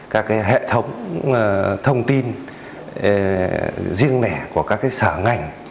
các hệ thống thông tin riêng lẻ của các sở ngành